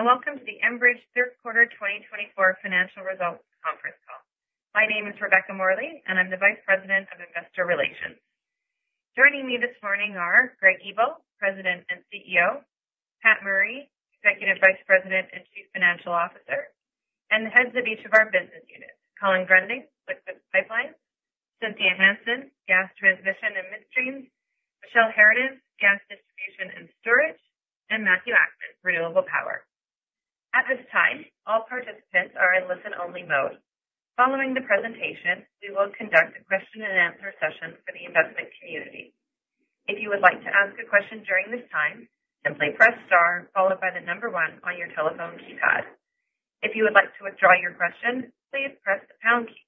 Good morning and welcome to the Enbridge third quarter 2024 financial results conference call. My name is Rebecca Morley, and I'm the Vice President of Investor Relations. Joining me this morning are Greg Ebel, President and CEO, Pat Murray, Executive Vice President and Chief Financial Officer, and the heads of each of our business units: Colin Gruending, Liquids Pipelines, Cynthia Hansen, Gas Transmission and Midstream, Michele Harradence, Gas Distribution and Storage, and Matthew Akman, Renewable Power. At this time, all participants are in listen-only mode. Following the presentation, we will conduct a question-and-answer session for the investment community. If you would like to ask a question during this time, simply press star followed by the number one on your telephone keypad. If you would like to withdraw your question, please press the pound key.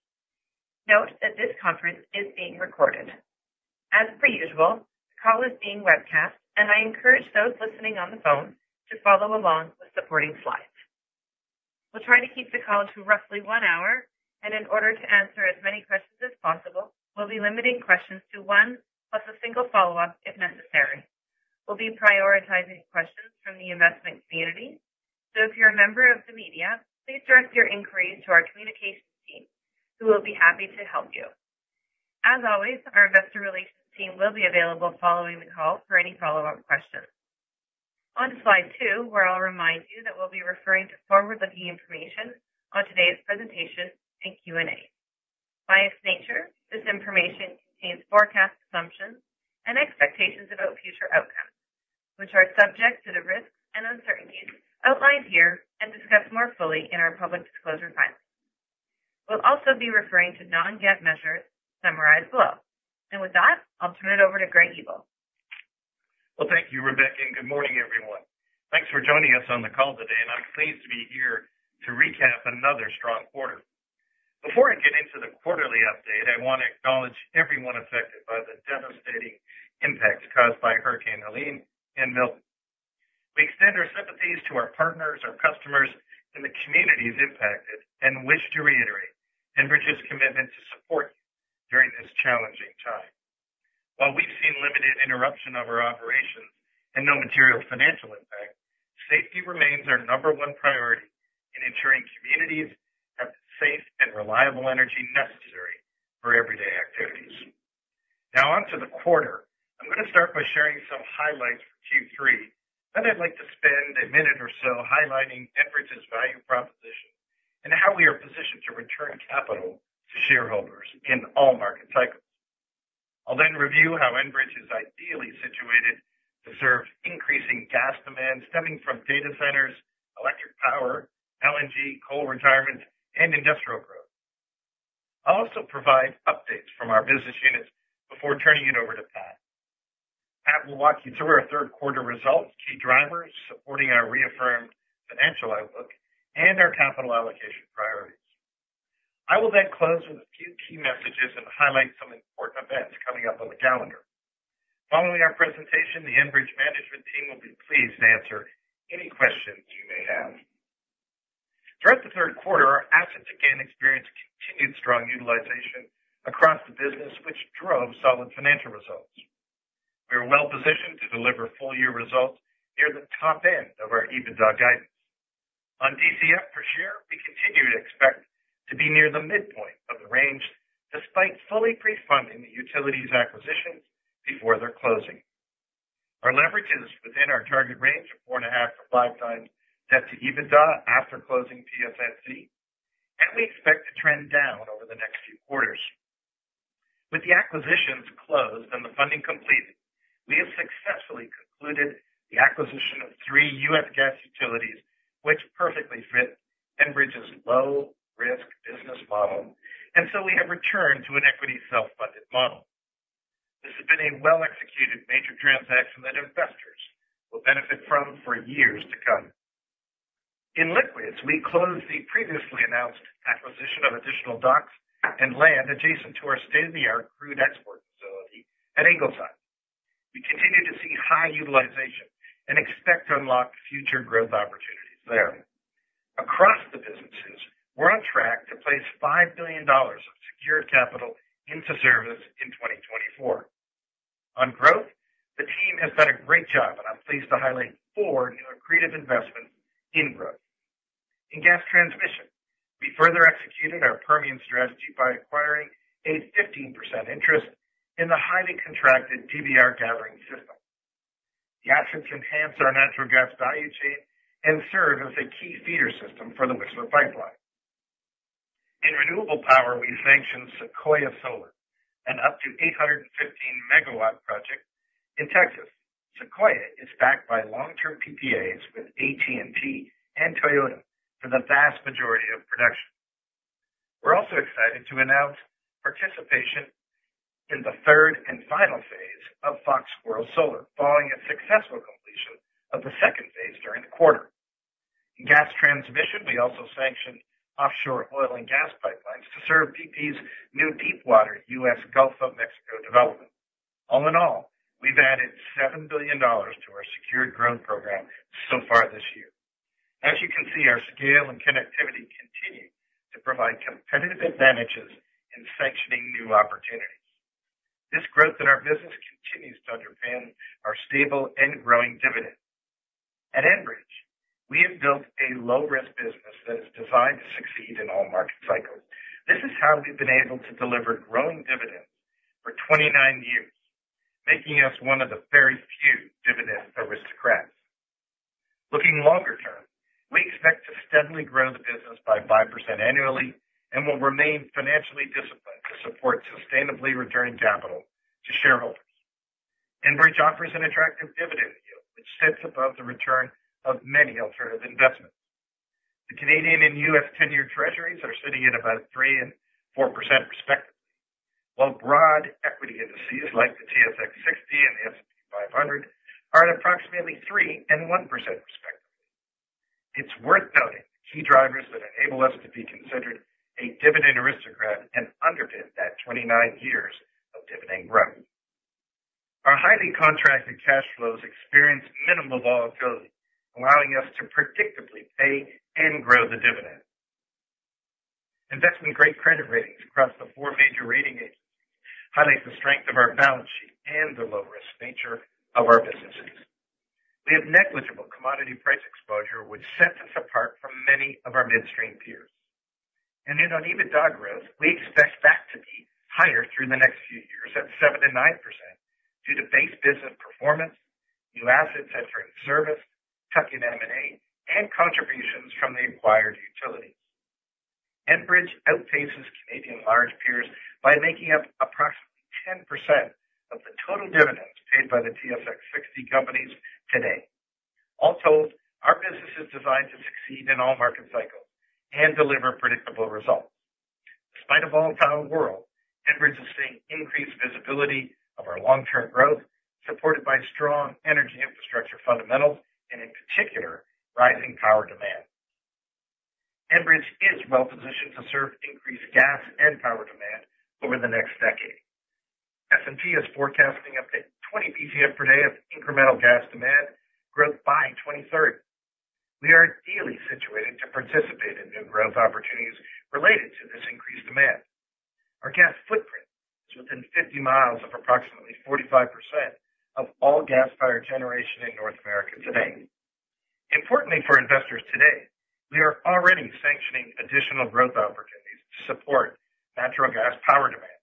Note that this conference is being recorded. As per usual, the call is being webcast, and I encourage those listening on the phone to follow along with supporting slides. We'll try to keep the call to roughly one hour, and in order to answer as many questions as possible, we'll be limiting questions to one plus a single follow-up if necessary. We'll be prioritizing questions from the investment community, so if you're a member of the media, please direct your inquiries to our communications team, who will be happy to help you. As always, our investor relations team will be available following the call for any follow-up questions. On slide two, where I'll remind you that we'll be referring to forward-looking information on today's presentation and Q&A. By its nature, this information contains forecast assumptions and expectations about future outcomes, which are subject to the risks and uncertainties outlined here and discussed more fully in our public disclosure filings. We'll also be referring to non-GAAP measures summarized below. And with that, I'll turn it over to Greg Ebel. Thank you, Rebecca, and good morning, everyone. Thanks for joining us on the call today, and I'm pleased to be here to recap another strong quarter. Before I get into the quarterly update, I want to acknowledge everyone affected by the devastating impacts caused by Hurricane Helene and Milton. We extend our sympathies to our partners, our customers, and the communities impacted and wish to reiterate Enbridge's commitment to support you during this challenging time. While we've seen limited interruption of our operations and no material financial impact, safety remains our number one priority in ensuring communities have the safe and reliable energy necessary for everyday activities. Now, on to the quarter. I'm going to start by sharing some highlights for Q3, then I'd like to spend a minute or so highlighting Enbridge's value proposition and how we are positioned to return capital to shareholders in all market cycles. I'll then review how Enbridge is ideally situated to serve increasing gas demand stemming from data centers, electric power, LNG, coal retirement, and industrial growth. I'll also provide updates from our business units before turning it over to Pat. Pat will walk you through our third quarter results, key drivers supporting our reaffirmed financial outlook, and our capital allocation priorities. I will then close with a few key messages and highlight some important events coming up on the calendar. Following our presentation, the Enbridge management team will be pleased to answer any questions you may have. Throughout the third quarter, our assets again experienced continued strong utilization across the business, which drove solid financial results. We are well positioned to deliver full-year results near the top end of our EBITDA guidance. On DCF per share, we continue to expect to be near the midpoint of the range despite fully pre-funding the utilities acquisitions before their closing. Our leverage is within our target range of four and a half to five times debt to EBITDA after closing PSNC, and we expect to trend down over the next few quarters. With the acquisitions closed and the funding completed, we have successfully concluded the acquisition of three U.S. gas utilities, which perfectly fit Enbridge's low-risk business model, and so we have returned to an equity self-funded model. This has been a well-executed major transaction that investors will benefit from for years to come. In liquids, we closed the previously announced acquisition of additional docks and land adjacent to our state-of-the-art crude export facility at Ingleside. We continue to see high utilization and expect to unlock future growth opportunities there. Across the businesses, we're on track to place $5 billion of secured capital into service in 2024. On growth, the team has done a great job, and I'm pleased to highlight four new accretive investments in growth. In gas transmission, we further executed our Permian strategy by acquiring a 15% interest in the highly contracted DBR gathering system. The assets enhance our natural gas value chain and serve as a key feeder system for the Whistler pipeline. In renewable power, we sanctioned Sequoia Solar, an up to 815 megawatt project in Texas. Sequoia is backed by long-term PPAs with AT&T and Toyota for the vast majority of production. We're also excited to announce participation in the third and final phase of Fox Squirrel Solar, following a successful completion of the second phase during the quarter. In gas transmission, we also sanctioned offshore oil and gas pipelines to serve BP's new deep-water U.S. Gulf of Mexico development. All in all, we've added $7 billion to our secured growth program so far this year. As you can see, our scale and connectivity continue to provide competitive advantages in sanctioning new opportunities. This growth in our business continues to underpin our stable and growing dividend. At Enbridge, we have built a low-risk business that is designed to succeed in all market cycles. This is how we've been able to deliver growing dividends for 29 years, making us one of the very few Dividend Aristocrats. Looking longer term, we expect to steadily grow the business by 5% annually and will remain financially disciplined to support sustainably returning capital to shareholders. Enbridge offers an attractive dividend yield, which sits above the return of many alternative investments. The Canadian and U.S. 10-year treasuries are sitting at about 3% and 4% respectively, while broad equity indices like the TSX 60 and the S&P 500 are at approximately 3% and 1% respectively. It's worth noting the key drivers that enable us to be considered a Dividend Aristocrat and underpin that 29 years of dividend growth. Our highly contracted cash flows experience minimal volatility, allowing us to predictably pay and grow the dividend. Investment-grade credit ratings across the four major rating agencies highlight the strength of our balance sheet and the low-risk nature of our businesses. We have negligible commodity price exposure, which sets us apart from many of our midstream peers, and on EBITDA growth, we expect that to be higher through the next few years at 7%-9% due to base business performance, new assets entering service, tuck-in M&A, and contributions from the acquired utilities. Enbridge outpaces Canadian large peers by making up approximately 10% of the total dividends paid by the TSX 60 companies today. All told, our business is designed to succeed in all market cycles and deliver predictable results. Despite a volatile world, Enbridge is seeing increased visibility of our long-term growth, supported by strong energy infrastructure fundamentals and, in particular, rising power demand. Enbridge is well positioned to serve increased gas and power demand over the next decade. S&P is forecasting up to 20 Bcf per day of incremental gas demand growth by 2030. We are ideally situated to participate in new growth opportunities related to this increased demand. Our gas footprint is within 50 miles of approximately 45% of all gas-fired generation in North America today. Importantly for investors today, we are already sanctioning additional growth opportunities to support natural gas power demand,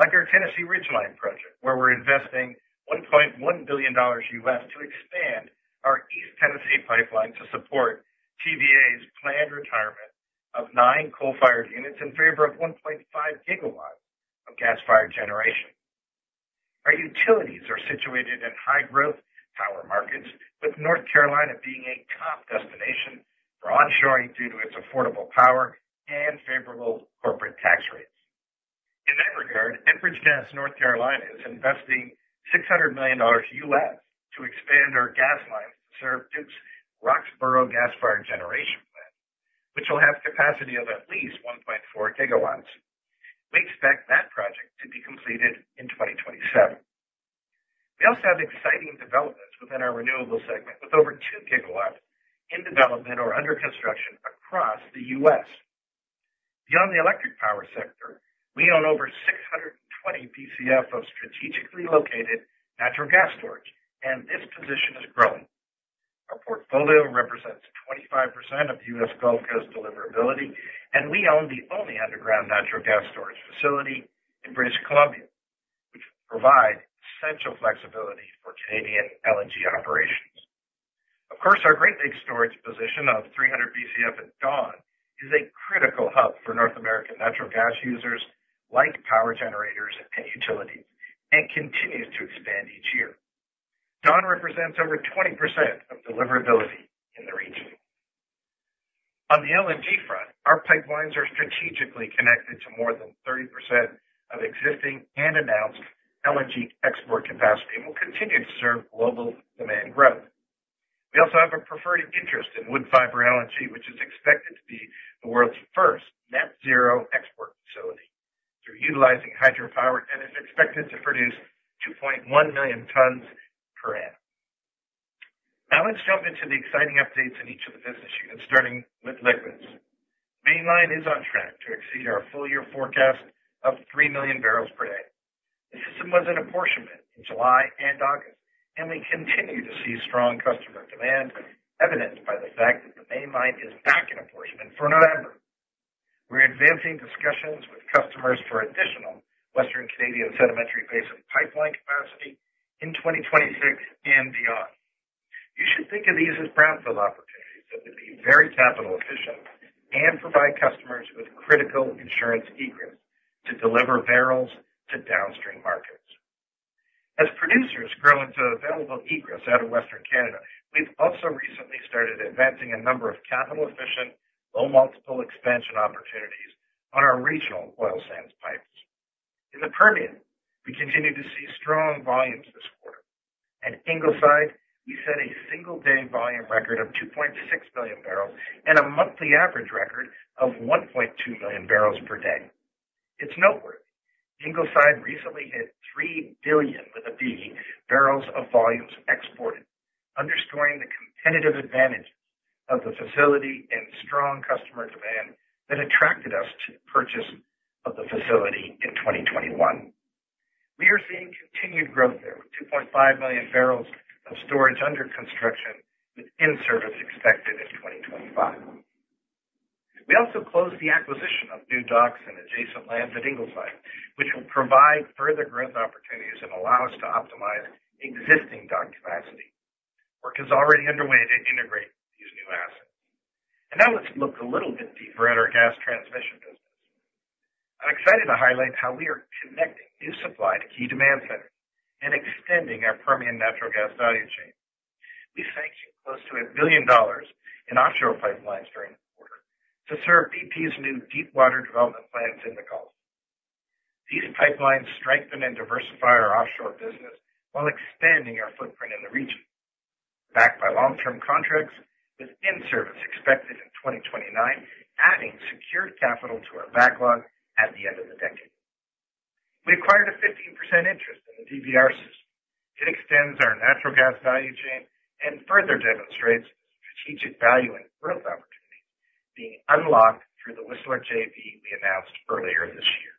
like our Tennessee Ridgeline project, where we're investing $1.1 billion U.S. to expand our East Tennessee pipeline to support TVA's planned retirement of nine coal-fired units in favor of 1.5 gigawatts of gas fired generation. Our utilities are situated in high-growth power markets, with North Carolina being a top destination for onshoring due to its affordable power and favorable corporate tax rates. In that regard, Enbridge Gas North Carolina is investing $600 million U.S. to expand our gas lines to serve Duke's Roxboro gas fired generation plant, which will have capacity of at least 1.4 gigawatts. We expect that project to be completed in 2027. We also have exciting developments within our renewable segment with over 2 gigawatts in development or under construction across the U.S. Beyond the electric power sector, we own over 620 BCF of strategically located natural gas storage, and this position is growing. Our portfolio represents 25% of U.S. Gulf Coast deliverability, and we own the only underground natural gas storage facility in British Columbia, which will provide essential flexibility for Canadian LNG operations. Of course, our Great Lakes storage position of 300 BCF at Dawn is a critical hub for North American natural gas users like power generators and utilities, and continues to expand each year. Dawn represents over 20% of deliverability in the region. On the LNG front, our pipelines are strategically connected to more than 30% of existing and announced LNG export capacity and will continue to serve global demand growth. We also have a preferred interest in Woodfibre LNG, which is expected to be the world's first net-zero export facility through utilizing hydropower and is expected to produce 2.1 million tons per annum. Now let's jump into the exciting updates in each of the business units, starting with liquids. Mainline is on track to exceed our full-year forecast of 3 million barrels per day. The system was in apportionment in July and August, and we continue to see strong customer demand, evidenced by the fact that the Mainline is back in apportionment for November. We're advancing discussions with customers for additional Western Canadian Sedimentary Basin pipeline capacity in 2026 and beyond. You should think of these as brownfield opportunities that will be very capital efficient and provide customers with critical insurance egress to deliver barrels to downstream markets. As producers grow into available egress out of Western Canada, we've also recently started advancing a number of capital-efficient, low-multiple expansion opportunities on our regional oil sands pipes. In the Permian, we continue to see strong volumes this quarter. At Ingleside, we set a single-day volume record of 2.6 million barrels and a monthly average record of 1.2 million barrels per day. It's noteworthy. Ingleside recently hit 3 billion barrels of volumes exported, underscoring the competitive advantages of the facility and strong customer demand that attracted us to the purchase of the facility in 2021. We are seeing continued growth there with 2.5 million barrels of storage under construction with in-service expected in 2025. We also closed the acquisition of new docks and adjacent lands at Ingleside, which will provide further growth opportunities and allow us to optimize existing dock capacity. Work is already underway to integrate these new assets. Now let's look a little bit deeper at our gas transmission business. I'm excited to highlight how we are connecting new supply to key demand centers and extending our Permian natural gas value chain. We sanctioned close to $1 billion in offshore pipelines during the quarter to serve BP's new deep-water development plans in the Gulf. These pipelines strengthen and diversify our offshore business while expanding our footprint in the region. Backed by long-term contracts with in-service expected in 2029, adding secured capital to our backlog at the end of the decade. We acquired a 15% interest in the DBR system. It extends our natural gas value chain and further demonstrates the strategic value and growth opportunities being unlocked through the Whistler JV we announced earlier this year.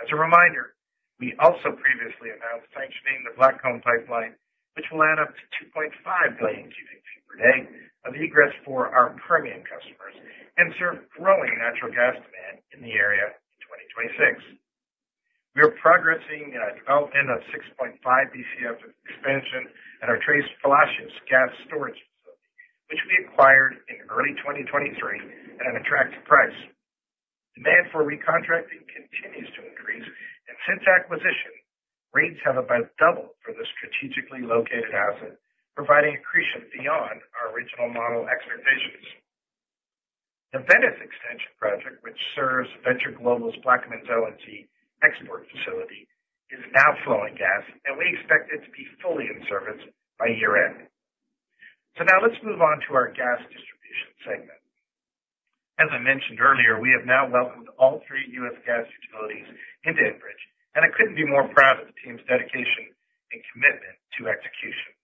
As a reminder, we also previously announced sanctioning the Blackcomb Pipeline, which will add up to 2.5 million cubic feet per day of egress for our Permian customers and serve growing natural gas demand in the area in 2026. We are progressing in our development of 6.5 BCF expansion at our Tres Palacios gas storage facility, which we acquired in early 2023 at an attractive price. Demand for recontracting continues to increase, and since acquisition, rates have about doubled for the strategically located asset, providing accretion beyond our original model expectations. The Venice Extension project, which serves Venture Global's Plaquemines LNG export facility, is now flowing gas, and we expect it to be fully in service by year-end. So now let's move on to our gas distribution segment. As I mentioned earlier, we have now welcomed all three U.S. Gas utilities into Enbridge, and I couldn't be more proud of the team's dedication and commitment to execution.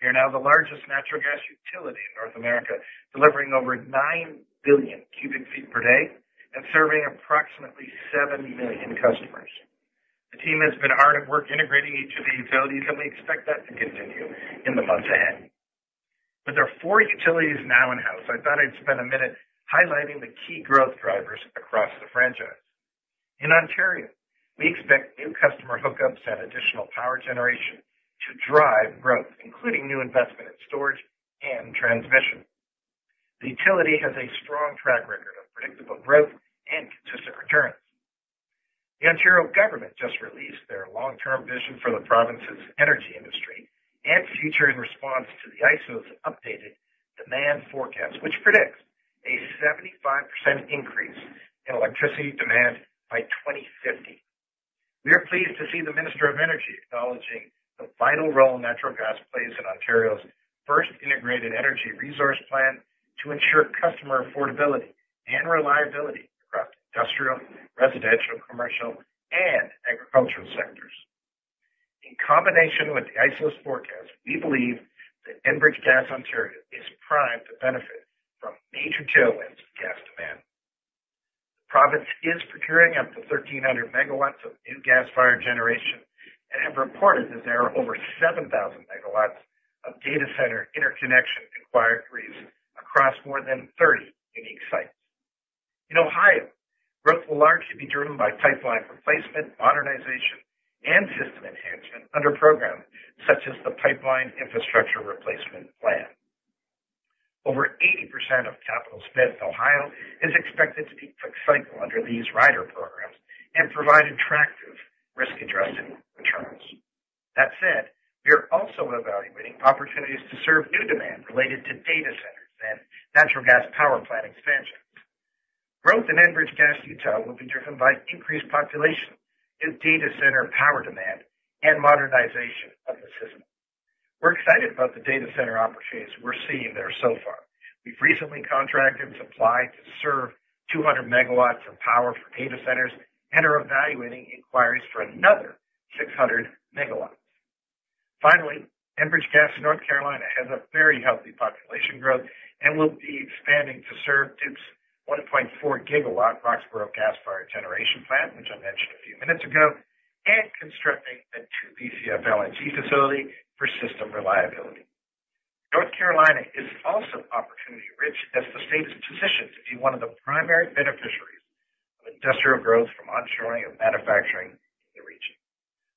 We are now the largest natural gas utility in North America, delivering over 9 billion cubic feet per day and serving approximately 7 million customers. The team has been hard at work integrating each of the utilities, and we expect that to continue in the months ahead. With our four utilities now in-house, I thought I'd spend a minute highlighting the key growth drivers across the franchise. In Ontario, we expect new customer hookups and additional power generation to drive growth, including new investment in storage and transmission. The utility has a strong track record of predictable growth and consistent returns. The Ontario government just released their long-term vision for the province's energy industry and future in response to the IESO's updated demand forecast, which predicts a 75% increase in electricity demand by 2050. We are pleased to see the Minister of Energy acknowledging the vital role natural gas plays in Ontario's first integrated energy resource plan to ensure customer affordability and reliability across industrial, residential, commercial, and agricultural sectors. In combination with the IESO's forecast, we believe that Enbridge Gas Ontario is primed to benefit from major tailwinds of gas demand. The province is procuring up to 1,300 megawatts of new gas-fired generation and have reported that there are over 7,000 megawatts of data center interconnection acquired grids across more than 30 unique sites. In Ohio, growth will largely be driven by pipeline replacement, modernization, and system enhancement under programs such as the Pipeline Infrastructure Replacement Plan. Over 80% of capital spent in Ohio is expected to be quick cycle under these rider programs and provide attractive risk-adjusted returns. That said, we are also evaluating opportunities to serve new demand related to data centers and natural gas power plant expansions. Growth in Enbridge Gas Utah will be driven by increased population in data center power demand and modernization of the system. We're excited about the data center opportunities we're seeing there so far. We've recently contracted supply to serve 200 megawatts of power for data centers and are evaluating inquiries for another 600 megawatts. Finally, Enbridge Gas North Carolina has a very healthy population growth and will be expanding to serve Duke's 1.4-gigawatt Roxboro gas-fired generation plant, which I mentioned a few minutes ago, and constructing a 2 Bcf LNG facility for system reliability. North Carolina is also opportunity-rich as the state is positioned to be one of the primary beneficiaries of industrial growth from onshoring and manufacturing in the region.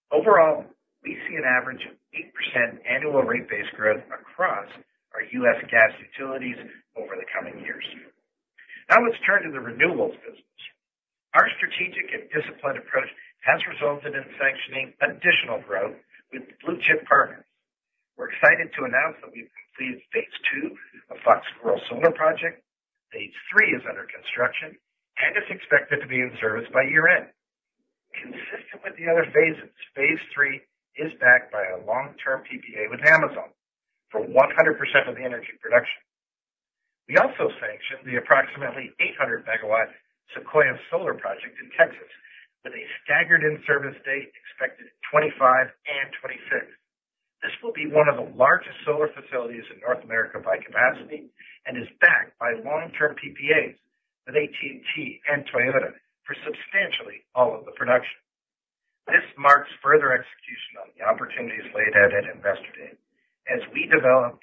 Overall, we see an average of 8% annual rate-based growth across our U.S. gas utilities over the coming years. Now let's turn to the renewables business. Our strategic and disciplined approach has resulted in sanctioning additional growth with blue-chip partners. We're excited to announce that we've completed phase two of Fox Squirrel's solar project. Phase three is under construction and is expected to be in service by year-end. Consistent with the other phases, phase three is backed by a long-term PPA with Amazon for 100% of the energy production. We also sanctioned the approximately 800-megawatt Sequoia Solar Project in Texas with a staggered in-service date expected in 2025 and 2026. This will be one of the largest solar facilities in North America by capacity and is backed by long-term PPAs with AT&T and Toyota for substantially all of the production. This marks further execution on the opportunities laid out at Investor Day as we develop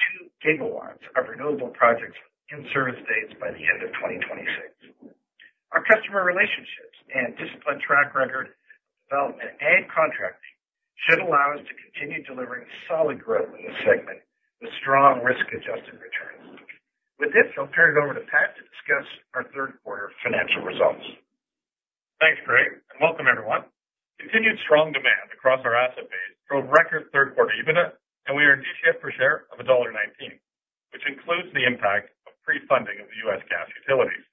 two gigawatts of renewable projects with in-service dates by the end of 2026. Our customer relationships and disciplined track record of development and contracting should allow us to continue delivering solid growth in this segment with strong risk-adjusted returns. With this, I'll turn it over to Pat to discuss our third-quarter financial results. Thanks, Greg, and welcome everyone. Continued strong demand across our asset base drove record third-quarter EBITDA, and adjusted DCF per share of $1.19, which includes the impact of pre-funding of the U.S. gas utilities.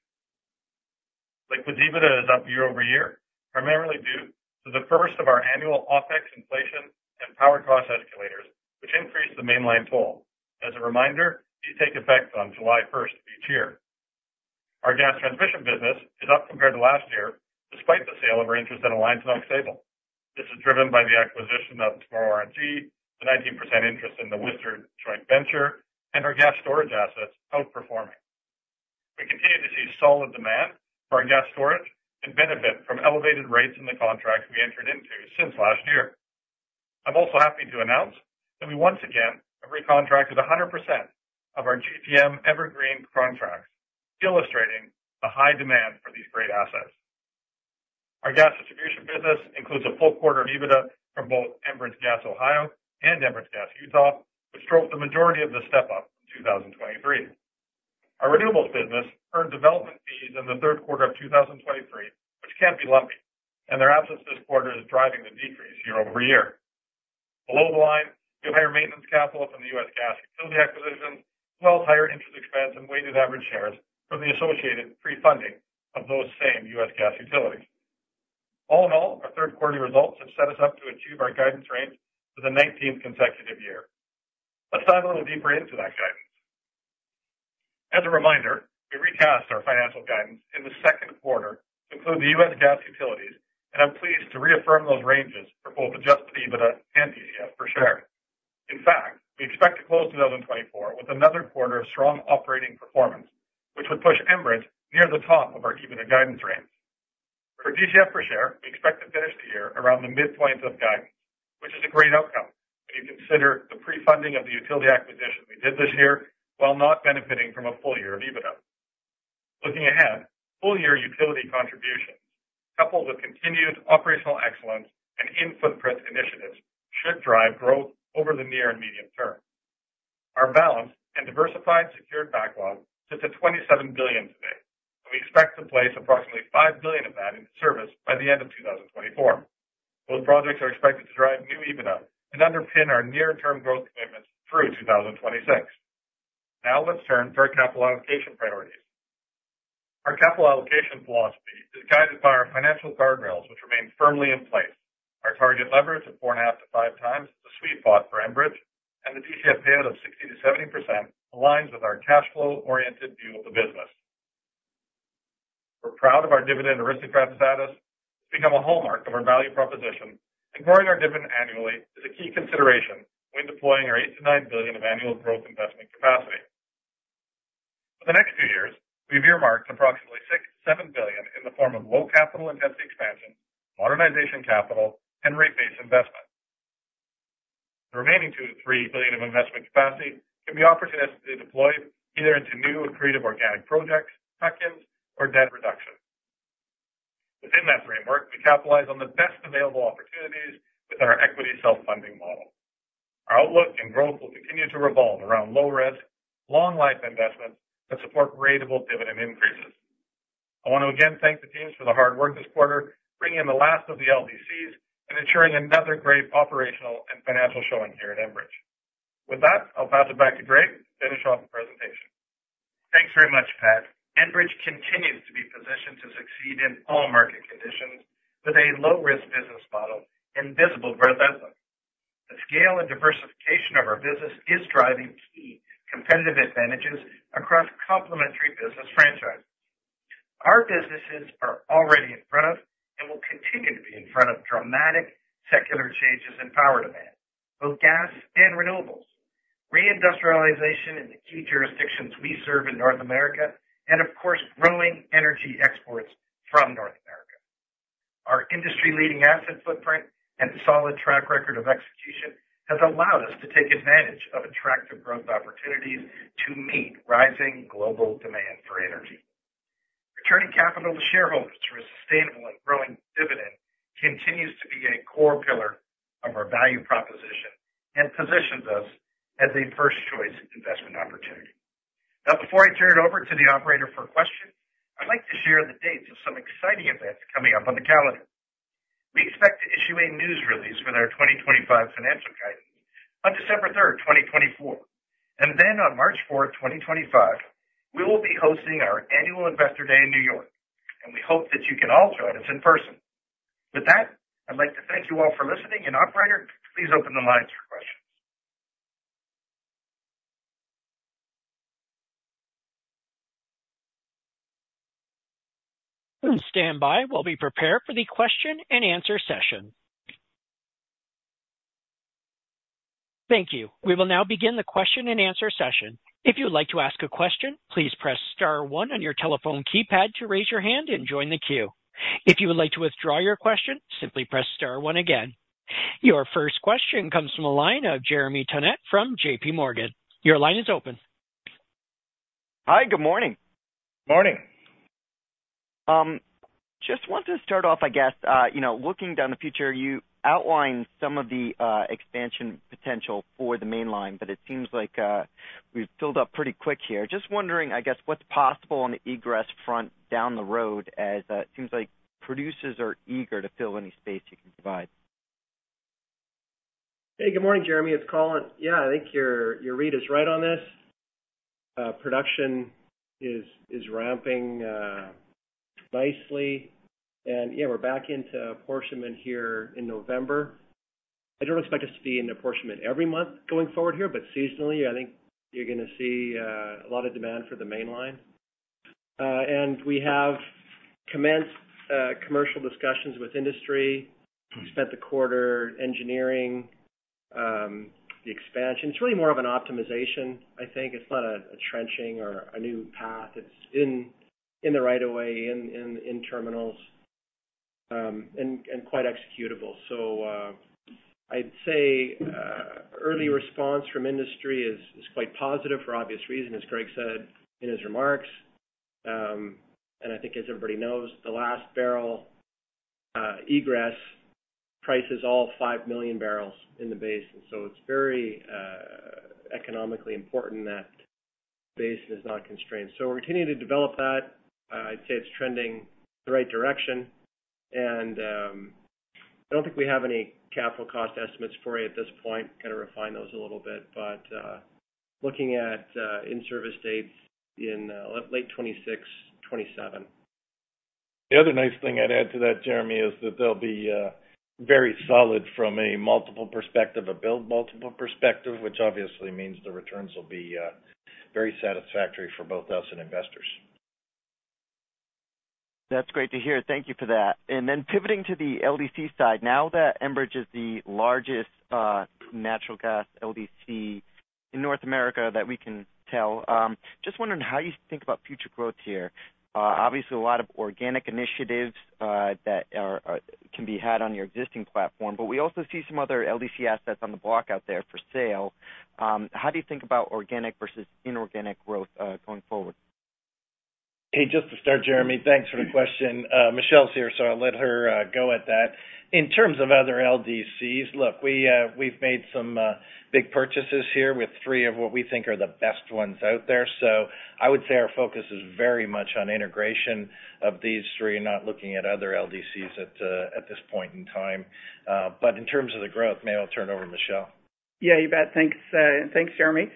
Liquids EBITDA is up year-over-year, primarily due to the first of our annual OpEx inflation and power cost escalators, which increased the Mainline toll. As a reminder, these take effect on July 1st of each year. Our gas transmission business is up compared to last year, despite the sale of our interest in Aux Sable. This is driven by the acquisition of Morrow RNG, the 19% interest in the Whistler Joint Venture, and our gas storage assets outperforming. We continue to see solid demand for our gas storage and benefit from elevated rates in the contracts we entered into since last year. I'm also happy to announce that we once again have recontracted 100% of our GTM Evergreen contracts, illustrating the high demand for these great assets. Our gas distribution business includes a full-quarter EBITDA from both Enbridge Gas Ohio and Enbridge Gas Utah, which drove the majority of the step-up from 2023. Our renewables business earned development fees in the third quarter of 2023, which can be lumpy, and their absence this quarter is driving the decrease year-over-year. Below the line, we have higher maintenance capital from the U.S. gas utility acquisitions, as well as higher interest expense and weighted average shares from the associated pre-funding of those same U.S. gas utilities. All in all, our third-quarter results have set us up to achieve our guidance range for the 19th consecutive year. Let's dive a little deeper into that guidance. As a reminder, we recast our financial guidance in the second quarter to include the U.S. gas utilities, and I'm pleased to reaffirm those ranges for both adjusted EBITDA and DCF per share. In fact, we expect to close 2024 with another quarter of strong operating performance, which would push Enbridge near the top of our EBITDA guidance range. For DCF per share, we expect to finish the year around the midpoint of guidance, which is a great outcome when you consider the pre-funding of the utility acquisition we did this year while not benefiting from a full year of EBITDA. Looking ahead, full-year utility contributions, coupled with continued operational excellence and in-footprint initiatives, should drive growth over the near and medium term. Our balanced and diversified secured backlog sits at 27 billion today, and we expect to place approximately 5 billion of that into service by the end of 2024. Those projects are expected to drive new EBITDA and underpin our near-term growth commitments through 2026. Now let's turn to our capital allocation priorities. Our capital allocation philosophy is guided by our financial guardrails, which remain firmly in place. Our target leverage of 4.5-5 times is a sweet spot for Enbridge, and the DCF payout of 60%-70% aligns with our cash flow-oriented view of the business. We're proud of our dividend aristocrat status. It's become a hallmark of our value proposition, and growing our dividend annually is a key consideration when deploying our 8-9 billion of annual growth investment capacity. For the next few years, we've earmarked approximately 6-7 billion in the form of low capital-intensity expansion, modernization capital, and rate-based investment. The remaining 2-3 billion of investment capacity can be opportunistically deployed either into new and creative organic projects, patch-ins, or debt reduction. Within that framework, we capitalize on the best available opportunities with our equity self-funding model. Our outlook and growth will continue to revolve around low-risk, long-life investments that support ratable dividend increases. I want to again thank the teams for the hard work this quarter, bringing in the last of the LDCs and ensuring another great operational and financial showing here at Enbridge. With that, I'll pass it back to Greg to finish off the presentation. Thanks very much, Pat. Enbridge continues to be positioned to succeed in all market conditions with a low-risk business model and visible growth outlook. The scale and diversification of our business is driving key competitive advantages across complementary business franchises. Our businesses are already in front of and will continue to be in front of dramatic secular changes in power demand, both gas and renewables, reindustrialization in the key jurisdictions we serve in North America, and of course, growing energy exports from North America. Our industry-leading asset footprint and solid track record of execution have allowed us to take advantage of attractive growth opportunities to meet rising global demand for energy. Returning capital to shareholders for a sustainable and growing dividend continues to be a core pillar of our value proposition and positions us as a first-choice investment opportunity. Now, before I turn it over to the operator for questions, I'd like to share the dates of some exciting events coming up on the calendar. We expect to issue a news release for our 2025 financial guidance on December 3rd, 2024, and then on March 4th, 2025, we will be hosting our annual Investor Day in New York, and we hope that you can all join us in person. With that, I'd like to thank you all for listening, and operator, please open the lines for questions. While we stand by, we'll be prepared for the question and answer session. Thank you. We will now begin the question and answer session. If you'd like to ask a question, please press star one on your telephone keypad to raise your hand and join the queue. If you would like to withdraw your question, simply press star one again. Your first question comes from Jeremy Tonet from J.P. Morgan. Your line is open. Hi, good morning. Morning. Just want to start off, I guess, you know, looking down the future, you outlined some of the expansion potential for the Mainline, but it seems like we've filled up pretty quick here. Just wondering, I guess, what's possible on the egress front down the road as it seems like producers are eager to fill any space you can provide. Hey, good morning, Jeremy. It's Colin. Yeah, I think your read is right on this. Production is ramping nicely, and yeah, we're back into apportionment here in November. I don't expect us to be in apportionment every month going forward here, but seasonally, I think you're going to see a lot of demand for the Mainline. And we have commenced commercial discussions with industry. We spent the quarter engineering the expansion. It's really more of an optimization, I think. It's not a trenching or a new path. It's in the right-of-way, in terminals, and quite executable. So I'd say early response from industry is quite positive for obvious reasons, as Greg said in his remarks. And I think, as everybody knows, the last barrel egress price is all 5 million barrels in the base. And so it's very economically important that base is not constrained. So we're continuing to develop that. I'd say it's trending the right direction. And I don't think we have any capital cost estimates for you at this point, kind of refine those a little bit, but looking at in-service dates in late 2026, 2027. The other nice thing I'd add to that, Jeremy, is that they'll be very solid from a multiple perspective, a build multiple perspective, which obviously means the returns will be very satisfactory for both us and investors. That's great to hear. Thank you for that. And then pivoting to the LDC side, now that Enbridge is the largest natural gas LDC in North America that we can tell, just wondering how you think about future growth here. Obviously, a lot of organic initiatives that can be had on your existing platform, but we also see some other LDC assets on the block out there for sale. How do you think about organic versus inorganic growth going forward? Hey, just to start, Jeremy, thanks for the question. Michele's here, so I'll let her go at that. In terms of other LDCs, look, we've made some big purchases here with three of what we think are the best ones out there. So I would say our focus is very much on integration of these three and not looking at other LDCs at this point in time. But in terms of the growth, maybe I'll turn it over to Michele. Yeah, you bet. Thanks, Jeremy.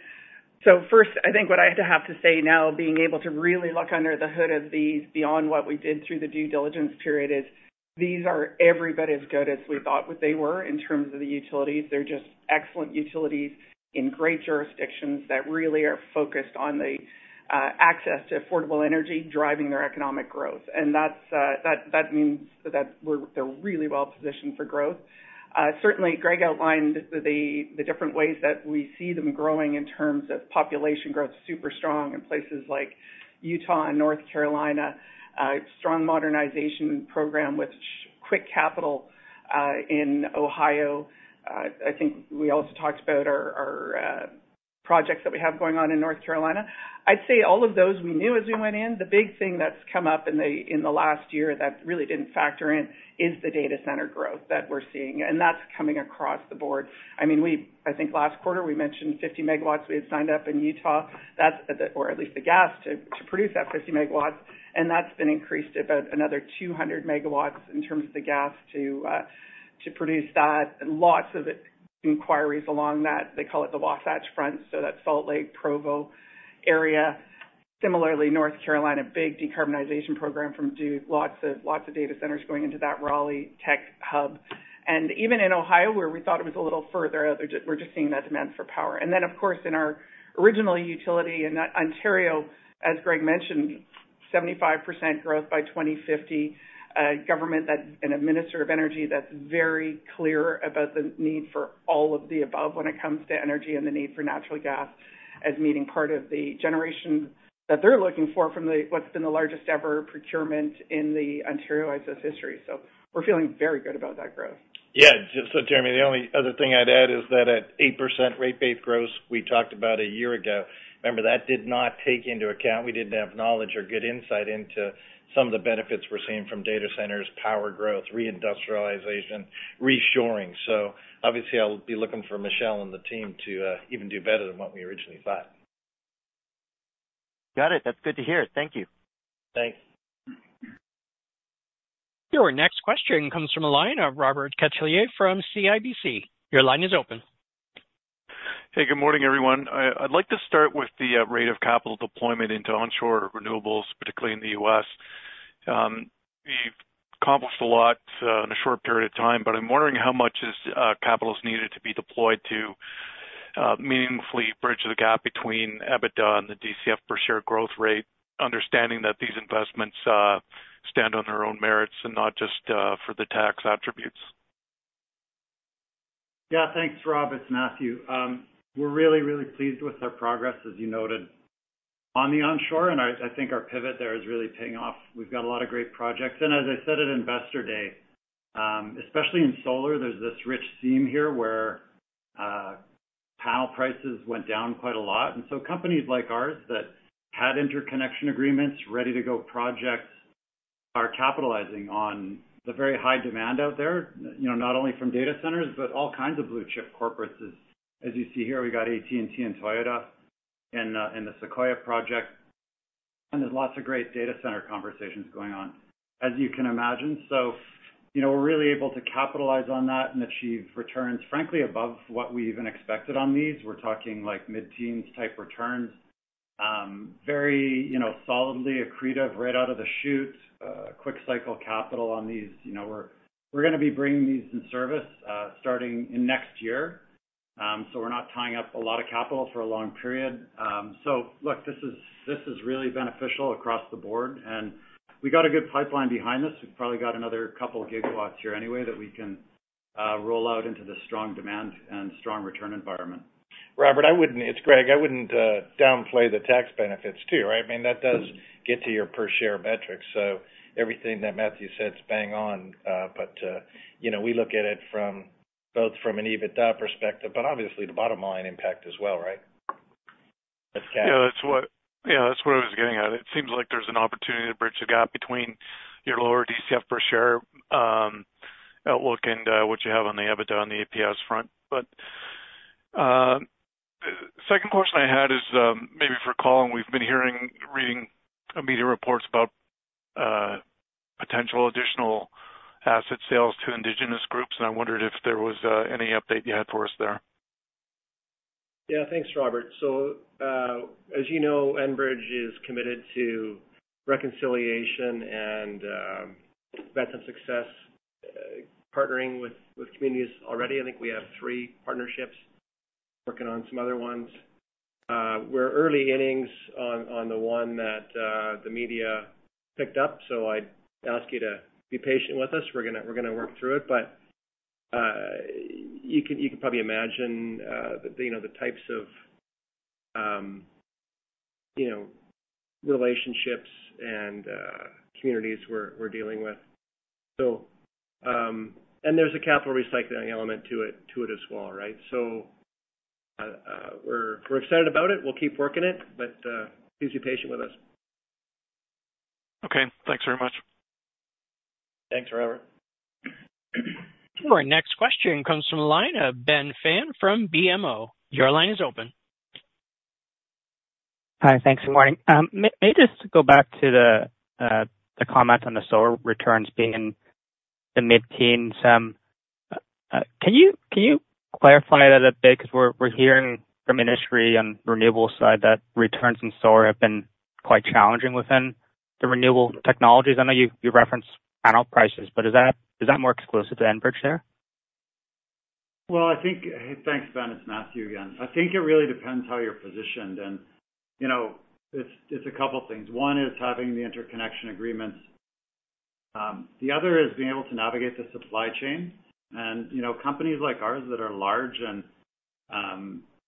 So first, I think what I have to say now, being able to really look under the hood of these beyond what we did through the due diligence period, is these are every bit as good as we thought they were in terms of the utilities. They're just excellent utilities in great jurisdictions that really are focused on the access to affordable energy driving their economic growth. And that means that they're really well positioned for growth. Certainly, Greg outlined the different ways that we see them growing in terms of population growth, super strong in places like Utah and North Carolina, strong modernization program with quick capital in Ohio. I think we also talked about our projects that we have going on in North Carolina. I'd say all of those we knew as we went in. The big thing that's come up in the last year that really didn't factor in is the data center growth that we're seeing, and that's coming across the board. I mean, I think last quarter we mentioned 50 megawatts we had signed up in Utah, or at least the gas to produce that 50 megawatts, and that's been increased about another 200 megawatts in terms of the gas to produce that. Lots of inquiries along that, they call it the Wasatch Front, so that Salt Lake Provo area. Similarly, North Carolina, big decarbonization program from Duke, lots of data centers going into that Raleigh tech hub. And even in Ohio, where we thought it was a little further out, we're just seeing that demand for power. Then, of course, in our original utility in Ontario, as Greg mentioned, 75% growth by 2050. Government and administrative energy that's very clear about the need for all of the above when it comes to energy and the need for natural gas as meeting part of the generation that they're looking for from what's been the largest ever procurement in the Ontario IESO history. So we're feeling very good about that growth. Yeah. So, Jeremy, the only other thing I'd add is that at 8% rate-based growth we talked about a year ago, remember that did not take into account. We didn't have knowledge or good insight into some of the benefits we're seeing from data centers, power growth, reindustrialization, reshoring. So obviously, I'll be looking for Michele and the team to even do better than what we originally thought. Got it. That's good to hear. Thank you. Thanks. Your next question comes from Robert Cattelier from CIBC. Your line is open. Hey, good morning, everyone. I'd like to start with the rate of capital deployment into onshore renewables, particularly in the U.S. We've accomplished a lot in a short period of time, but I'm wondering how much capital is needed to be deployed to meaningfully bridge the gap between EBITDA and the DCF per share growth rate, understanding that these investments stand on their own merits and not just for the tax attributes. Yeah, thanks, Robert. Matthew. We're really, really pleased with our progress, as you noted, on the onshore, and I think our pivot there is really paying off. We've got a lot of great projects. And as I said at Investor Day, especially in solar, there's this rich theme here where panel prices went down quite a lot. And so companies like ours that had interconnection agreements, ready-to-go projects are capitalizing on the very high demand out there, not only from data centers, but all kinds of blue chip corporates. As you see here, we got AT&T and Toyota and the Sequoia project. And there's lots of great data center conversations going on, as you can imagine. So we're really able to capitalize on that and achieve returns, frankly, above what we even expected on these. We're talking like mid-teens type returns, very solidly accretive right out of the chute, quick cycle capital on these. We're going to be bringing these into service starting in next year. So we're not tying up a lot of capital for a long period. So look, this is really beneficial across the board. And we got a good pipeline behind this. We've probably got another couple of gigawatts here anyway that we can roll out into the strong demand and strong return environment. Robert, it's Greg. I wouldn't downplay the tax benefits too, right? I mean, that does get to your per share metrics. So everything that Matthew said is bang on. But we look at it both from an EBITDA perspective, but obviously the bottom line impact as well, right? Yeah, that's what I was getting at. It seems like there's an opportunity to bridge the gap between your lower DCF per share outlook and what you have on the EBITDA on the EPS front. But the second question I had is maybe for Colin. We've been hearing, reading media reports about potential additional asset sales to indigenous groups, and I wondered if there was any update you had for us there. Yeah, thanks, Robert. So as you know, Enbridge is committed to reconciliation and we've had some success partnering with communities already. I think we have three partnerships working on some other ones. We're early innings on the one that the media picked up, so I'd ask you to be patient with us. We're going to work through it. But you can probably imagine the types of relationships and communities we're dealing with. And there's a capital recycling element to it as well, right? So we're excited about it. We'll keep working it, but please be patient with us. Okay. Thanks very much. Thanks, Robert. Our next question comes from Ben Pham from BMO. Your line is open. Hi, thanks. Good morning. May I just go back to the comment on the solar returns being in the mid-teens? Can you clarify that a bit? Because we're hearing from industry on the renewable side that returns in solar have been quite challenging within the renewable technologies. I know you referenced panel prices, but is that more exclusive to Enbridge there? Well, thanks, Ben, it's Matthew again. I think it really depends how you're positioned. And it's a couple of things. One is having the interconnection agreements. The other is being able to navigate the supply chain. And companies like ours that are large and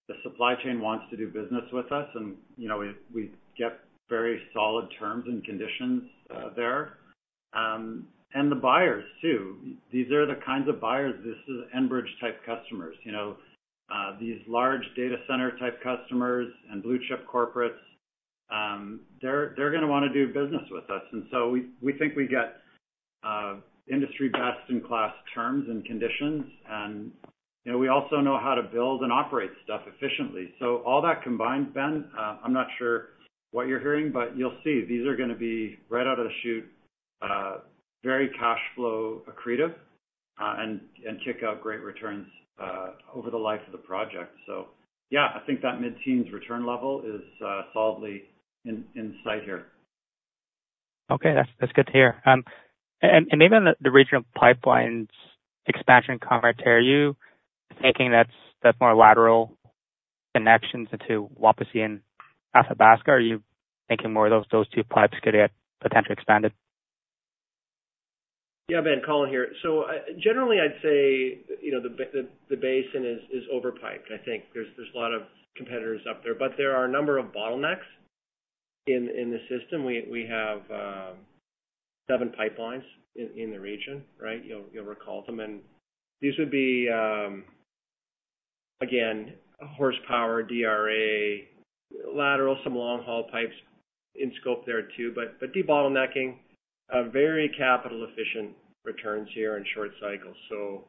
the supply chain wants to do business with us, and we get very solid terms and conditions there. And the buyers too. These are the kinds of buyers. This is Enbridge-type customers. These large data center-type customers and blue chip corporates, they're going to want to do business with us. And so we think we get industry best-in-class terms and conditions. And we also know how to build and operate stuff efficiently. So all that combined, Ben, I'm not sure what you're hearing, but you'll see these are going to be right out of the chute, very cash flow accretive, and kick out great returns over the life of the project. So yeah, I think that mid-teens return level is solidly in sight here. Okay. That's good to hear. And maybe on the regional pipelines expansion comment, are you thinking that's more lateral connections into Wapiti and Athabasca? Are you thinking more of those two pipes could get potentially expanded? Yeah, Ben, Colin here. So generally, I'd say the basin is overpiped. I think there's a lot of competitors up there, but there are a number of bottlenecks in the system. We have seven pipelines in the region, right? You'll recall them. And these would be, again, horsepower, DRA, lateral, some long-haul pipes in scope there too. But de-bottlenecking, very capital-efficient returns here in short cycles. So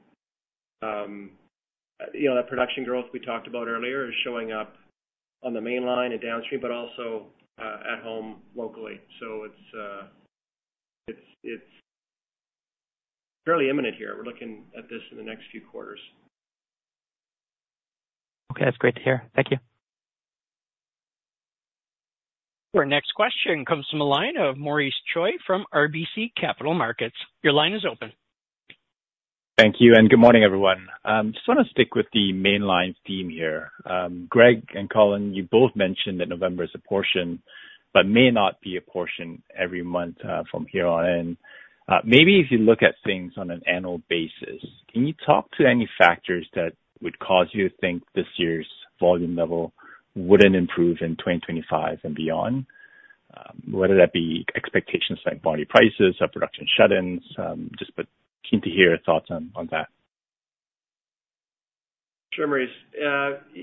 that production growth we talked about earlier is showing up on the mainline and downstream, but also at home locally. So it's fairly imminent here. We're looking at this in the next few quarters. Okay. That's great to hear. Thank you. Our next question comes from Maurice Choy from RBC Capital Markets. Your line is open. Thank you. And good morning, everyone. Just want to stick with the mainline theme here. Greg and Colin, you both mentioned that November is an apportionment, but may not be an apportionment every month from here on in. Maybe if you look at things on an annual basis, can you talk to any factors that would cause you to think this year's volume level wouldn't improve in 2025 and beyond? Whether that be expectations like lower prices, production shut-ins, just keen to hear your thoughts on that. Sure, Maurice.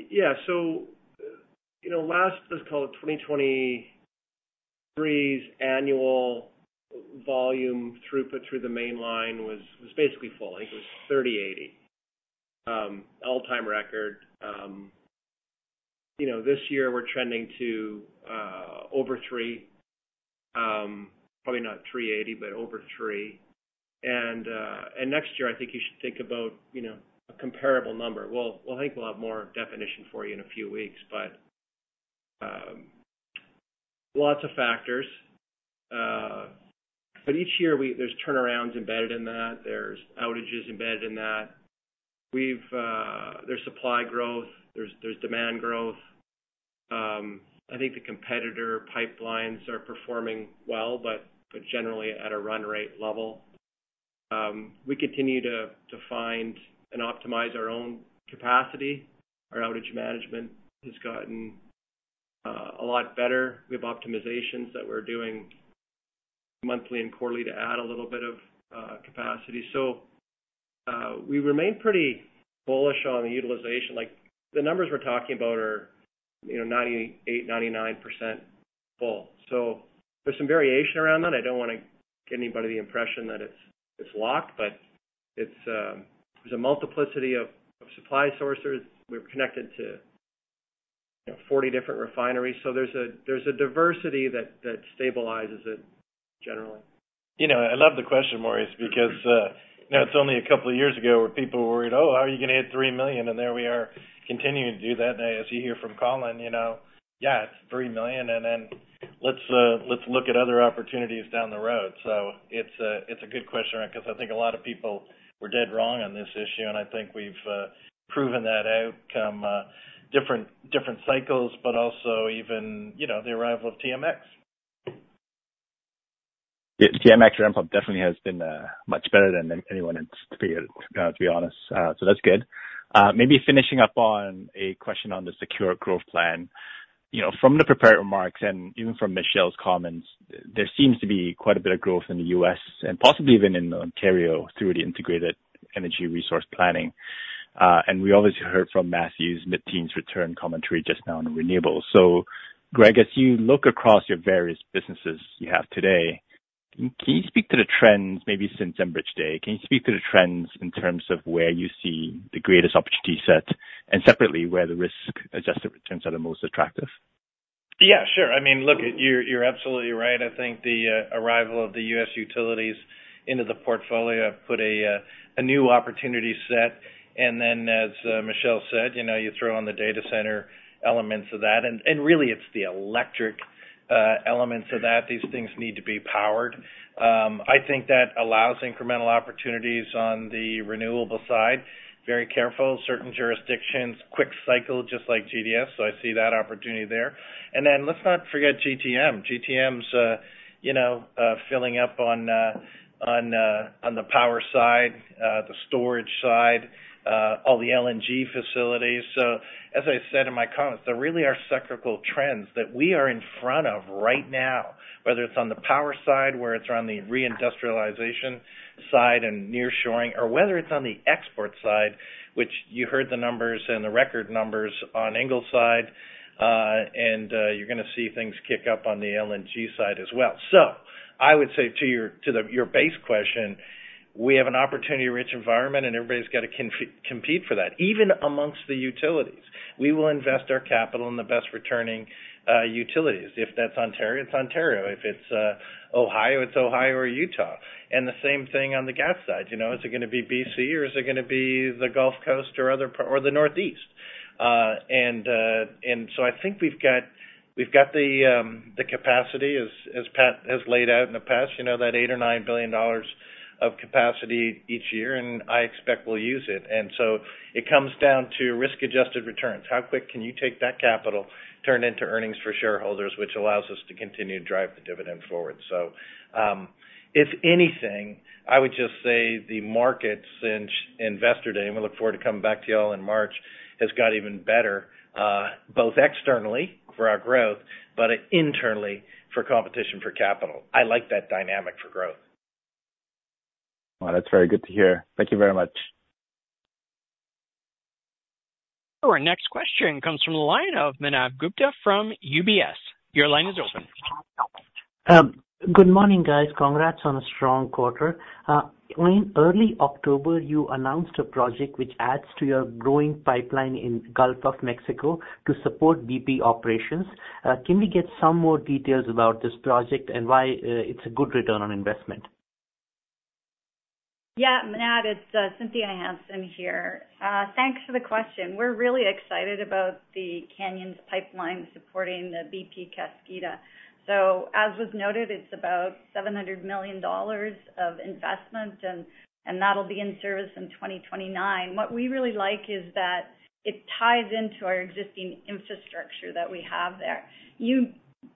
Yeah. So last, let's call it 2023's annual volume throughput through the Mainline was basically full. I think it was 3.08, all-time record. This year, we're trending to over 3, probably not 3.80, but over 3. And next year, I think you should think about a comparable number. We'll think we'll have more definition for you in a few weeks, but lots of factors. But each year, there's turnarounds embedded in that. There's outages embedded in that. There's supply growth. There's demand growth. I think the competitor pipelines are performing well, but generally at a run rate level. We continue to find and optimize our own capacity. Our outage management has gotten a lot better. We have optimizations that we're doing monthly and quarterly to add a little bit of capacity. So we remain pretty bullish on the utilization. The numbers we're talking about are 98%-99% full. So there's some variation around that. I don't want to give anybody the impression that it's locked, but there's a multiplicity of supply sources. We're connected to 40 different refineries. So there's a diversity that stabilizes it generally. I love the question, Maurice, because it's only a couple of years ago where people worried, "Oh, how are you going to hit 3 million?" And there we are continuing to do that. And as you hear from Colin, yeah, it's 3 million. Then let's look at other opportunities down the road. So it's a good question because I think a lot of people were dead wrong on this issue. I think we've proven that outcome different cycles, but also even the arrival of TMX. TMX ramp-up definitely has been much better than anyone in sphere, to be honest. So that's good. Maybe finishing up on a question on the secure growth plan. From the prepared remarks and even from Michele's comments, there seems to be quite a bit of growth in the U.S. and possibly even in Ontario through the integrated energy resource planning. We obviously heard from Matthew's mid-teens return commentary just now on renewables. Greg, as you look across your various businesses you have today, can you speak to the trends maybe since Enbridge Day? Can you speak to the trends in terms of where you see the greatest opportunity set and separately where the risk-adjusted returns are the most attractive? Yeah, sure. I mean, look, you're absolutely right. I think the arrival of the U.S. utilities into the portfolio put a new opportunity set, and then as Michele said, you throw on the data center elements of that, and really, it's the electric elements of that. These things need to be powered. I think that allows incremental opportunities on the renewable side. Very careful. Certain jurisdictions, quick cycle, just like GDS. So I see that opportunity there, and then let's not forget GTM. GTM's filling up on the power side, the storage side, all the LNG facilities. So as I said in my comments, there really are cyclical trends that we are in front of right now, whether it's on the power side, whether it's on the reindustrialization side and nearshoring, or whether it's on the export side, which you heard the numbers and the record numbers on Ingleside. And you're going to see things kick up on the LNG side as well. So I would say to your base question, we have an opportunity-rich environment, and everybody's got to compete for that. Even amongst the utilities, we will invest our capital in the best-returning utilities. If that's Ontario, it's Ontario. If it's Ohio, it's Ohio or Utah. And the same thing on the gas side. Is it going to be BC, or is it going to be the Gulf Coast or the Northeast? I think we've got the capacity, as Pat has laid out in the past, that 8 billion or 9 billion dollars of capacity each year. I expect we'll use it. It comes down to risk-adjusted returns. How quick can you take that capital, turn it into earnings for shareholders, which allows us to continue to drive the dividend forward? If anything, I would just say the market since investor day, and we look forward to coming back to you all in March, has got even better, both externally for our growth, but internally for competition for capital. I like that dynamic for growth. Well, that's very good to hear. Thank you very much. Our next question comes from the line of Manav Gupta from UBS. Your line is open. Good morning, guys. Congrats on a strong quarter. In early October, you announced a project which adds to your growing pipeline in Gulf of Mexico to support BP operations. Can we get some more details about this project and why it's a good return on investment? Yeah. Manav, it's Cynthia Hansen here. Thanks for the question. We're really excited about the Canyon pipeline supporting the BP Kaskida. So as was noted, it's about $700 million of investment, and that'll be in service in 2029. What we really like is that it ties into our existing infrastructure that we have there. You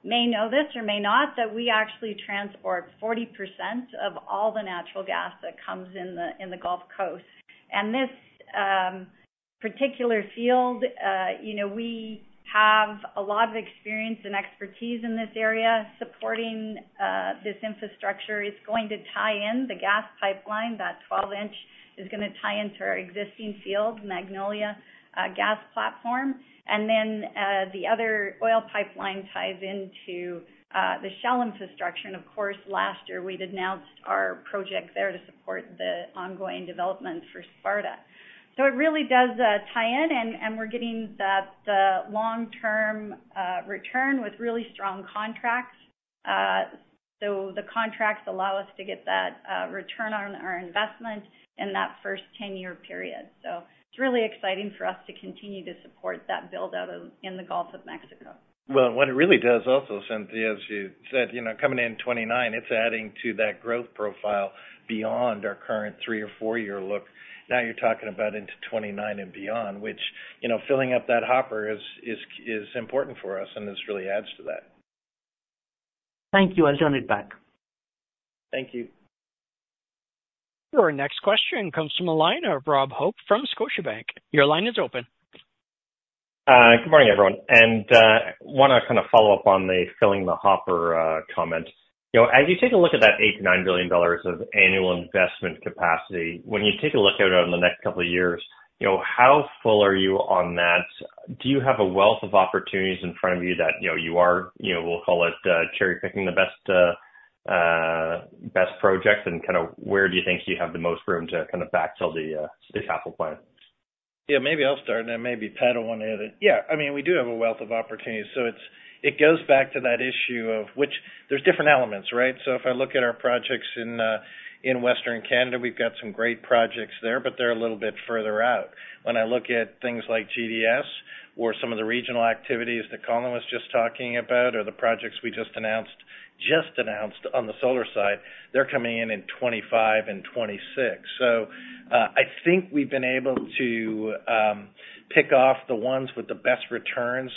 may know this or may not, that we actually transport 40% of all the natural gas that comes in the Gulf Coast. This particular field, we have a lot of experience and expertise in this area supporting this infrastructure. It's going to tie in the gas pipeline. That 12-inch is going to tie into our existing field, Magnolia Gas Platform. And then the other oil pipeline ties into the Shell infrastructure. And of course, last year, we'd announced our project there to support the ongoing development for Sparta. So it really does tie in, and we're getting the long-term return with really strong contracts. So the contracts allow us to get that return on our investment in that first 10-year period. So it's really exciting for us to continue to support that build-out in the Gulf of Mexico. Well, what it really does also, Cynthia, as you said, coming in '29, it's adding to that growth profile beyond our current three or four-year look. Now you're talking about into '29 and beyond, which, filling up that hopper, is important for us, and this really adds to that. Thank you. I'll turn it back. Thank you. Our next question comes from Rob Hope from Scotiabank. Your line is open. Good morning, everyone. And I want to kind of follow up on the filling the hopper comment. As you take a look at that 8-9 billion dollars of annual investment capacity, when you take a look at it over the next couple of years, how full are you on that? Do you have a wealth of opportunities in front of you that you are, we'll call it, cherry-picking the best project? And kind of where do you think you have the most room to kind of backfill the capital plan? Yeah, maybe I'll start, and then maybe Pat will want to add it. Yeah. I mean, we do have a wealth of opportunities. So it goes back to that issue of which there's different elements, right? So if I look at our projects in Western Canada, we've got some great projects there, but they're a little bit further out. When I look at things like GDS or some of the regional activities that Colin was just talking about or the projects we just announced on the solar side, they're coming in in 2025 and 2026. So I think we've been able to pick off the ones with the best returns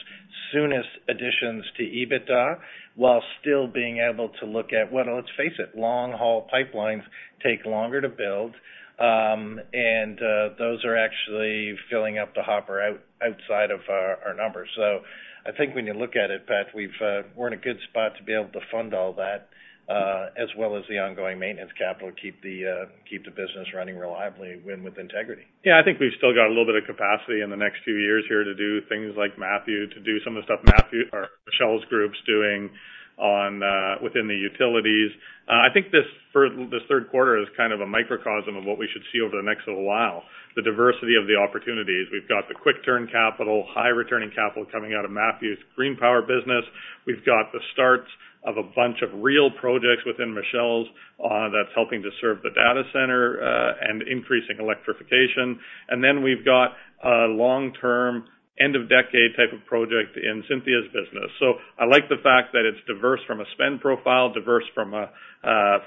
soonest additions to EBITDA while still being able to look at, well, let's face it, long-haul pipelines take longer to build. And those are actually filling up the hopper outside of our numbers. So I think when you look at it, Pat, we're in a good spot to be able to fund all that as well as the ongoing maintenance capital to keep the business running reliably and with integrity. Yeah, I think we've still got a little bit of capacity in the next few years here to do things like Matthew, to do some of the stuff Matthew or Michele's group's doing within the utilities. I think this third quarter is kind of a microcosm of what we should see over the next little while. The diversity of the opportunities. We've got the quick-turn capital, high-returning capital coming out of Matthew's green power business. We've got the starts of a bunch of real projects within Michele's that's helping to serve the data center and increasing electrification. And then we've got a long-term end-of-decade type of project in Cynthia's business. So I like the fact that it's diverse from a spend profile, diverse from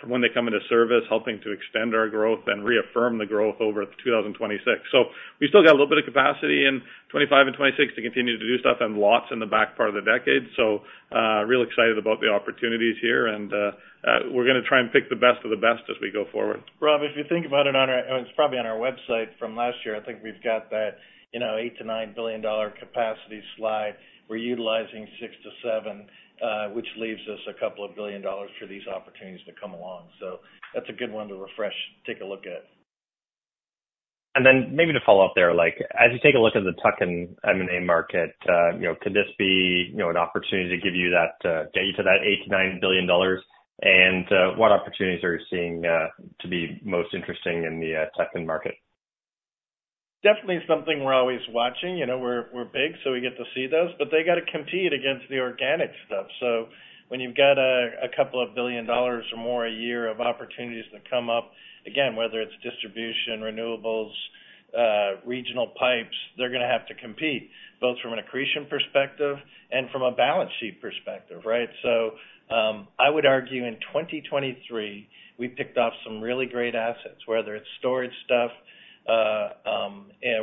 when they come into service, helping to extend our growth and reaffirm the growth over 2026. So we still got a little bit of capacity in 2025 and 2026 to continue to do stuff and lots in the back part of the decade. So real excited about the opportunities here. And we're going to try and pick the best of the best as we go forward. Rob, if you think about it, it's probably on our website from last year. I think we've got that 8-9 billion dollar capacity slide. We're utilizing 6-7, which leaves us a couple of billion dollars for these opportunities to come along. So that's a good one to refresh, take a look at. And then maybe to follow up there, as you take a look at the tuck-in and M&A market, could this be an opportunity to get you to that 8-9 billion dollars? What opportunities are you seeing to be most interesting in the tuck-in market? Definitely something we're always watching. We're big, so we get to see those. But they got to compete against the organic stuff. So when you've got a couple of billion dollars or more a year of opportunities that come up, again, whether it's distribution, renewables, regional pipes, they're going to have to compete both from an accretion perspective and from a balance sheet perspective, right? So I would argue in 2023, we picked off some really great assets, whether it's storage stuff,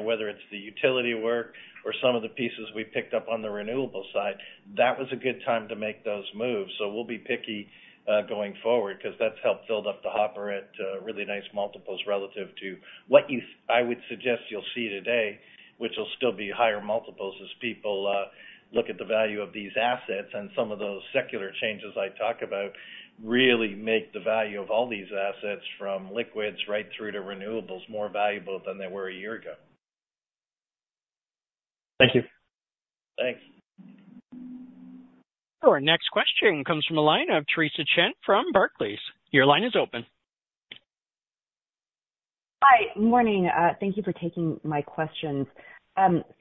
whether it's the utility work, or some of the pieces we picked up on the renewable side. That was a good time to make those moves. We'll be picky going forward because that's helped build up the hopper at really nice multiples relative to what I would suggest you'll see today, which will still be higher multiples as people look at the value of these assets. Some of those secular changes I talk about really make the value of all these assets from liquids right through to renewables more valuable than they were a year ago. Thank you. Thanks. Our next question comes from Theresa Chen from Barclays. Your line is open. Hi. Good morning. Thank you for taking my questions.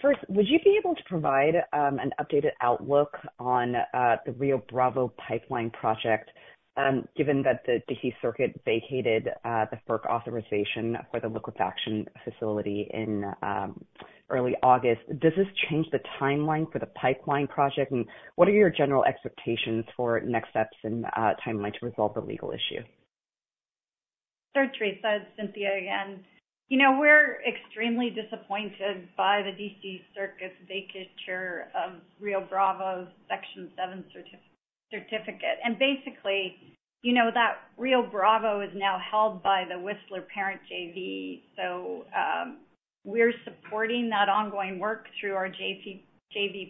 First, would you be able to provide an updated outlook on the Rio Bravo Pipeline project, given that the D.C. Circuit vacated the FERC authorization for the liquefaction facility in early August? Does this change the timeline for the pipeline project? What are your general expectations for next steps and timeline to resolve the legal issue? Sure, Theresa. It's Cynthia again. We're extremely disappointed by the D.C. Circuit's vacatur of Rio Bravo's Section 7 certificate. And basically, that Rio Bravo is now held by the Whistler parent JV. So we're supporting that ongoing work through our JV